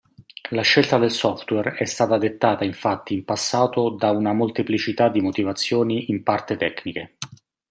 La scelta del software è stata dettata infatti in passato da una molteplicità di motivazioni in parte tecniche.